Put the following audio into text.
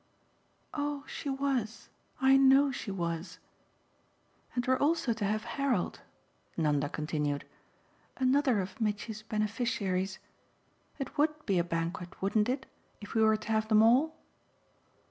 "Oh she was I know she was. And we're also to have Harold," Nanda continued "another of Mitchy's beneficiaries. It WOULD be a banquet, wouldn't it? if we were to have them all."